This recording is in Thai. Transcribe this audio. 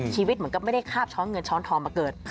ชีวิตเหมือนกับไม่ได้คาบช้อนเงินช้อนทองมาเกิด